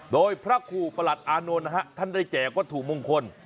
โดยพระครูประหลัดอานนท์นะฮะท่านได้แจกวัตถุมงคล